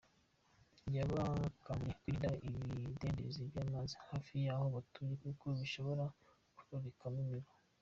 Yabakanguriye kwirinda ibidendezi by’amazi hafi y’aho batuye kuko bishobora kororokeramo imibu.